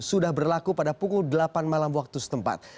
sudah berlaku pada pukul delapan malam waktu setempat